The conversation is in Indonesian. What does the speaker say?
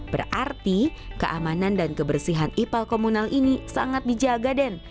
berarti keamanan dan kebersihan ipal komunal ini sangat dijaga den